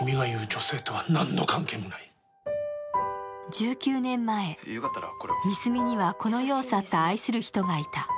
１９年前、三角にはこの世を去った愛する人がいた。